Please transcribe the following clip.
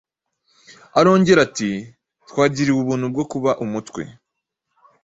Arongera ati “Twagiriwe ubuntu bwo kuba umutwe,